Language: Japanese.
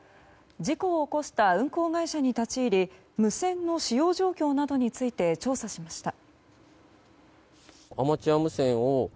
事故を起こした運航会社に立ち入り無線の使用状況などについて調査しました。